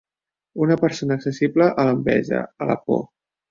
Una persona accessible a l'enveja, a la por.